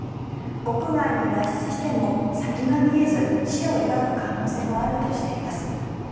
国外に脱出しても先が見えず死を選ぶ可能性はあるとしています。